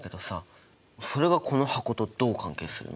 それがこの箱とどう関係するの？